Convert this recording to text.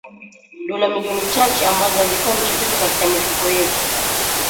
dola milioni chache ambazo hazifanyi chochote katika mifuko yetu